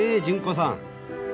純子さん。